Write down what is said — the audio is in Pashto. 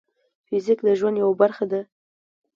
فزیک د ژوند یوه برخه ده.